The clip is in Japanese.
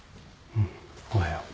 うんおはよう。